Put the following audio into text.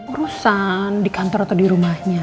urusan di kantor atau di rumahnya